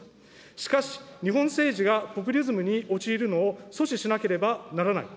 しかし、日本政治がポピュリズムに陥るのを阻止しなければならない。